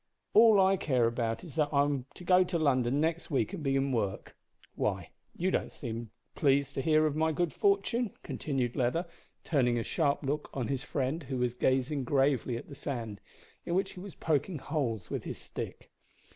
All I care about is that I'm to go to London next week and begin work Why, you don't seem pleased to hear of my good fortune," continued Leather, turning a sharp look on his friend, who was gazing gravely at the sand, in which he was poking holes with his stick.